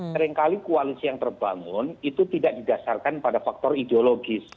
seringkali koalisi yang terbangun itu tidak didasarkan pada faktor ideologis